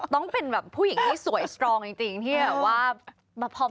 ต้องเป็นแบบผู้หญิงที่สวยสตรองจริงที่แบบว่าพร้อม